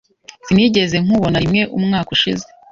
Sinigeze nkubona rimwe umwaka ushize.